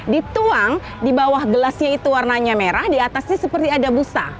dituang di bawah gelasnya itu warnanya merah diatasnya seperti ada busa